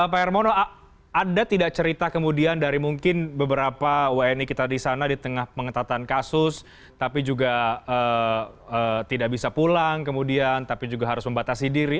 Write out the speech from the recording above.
pak hermono ada tidak cerita kemudian dari mungkin beberapa wni kita di sana di tengah pengetatan kasus tapi juga tidak bisa pulang kemudian tapi juga harus membatasi diri